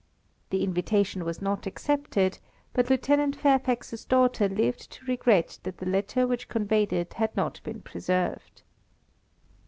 The invitation was not accepted, but Lieutenant Fairfax's daughter lived to regret that the letter which conveyed it had not been preserved.